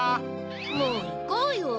もういこうよ。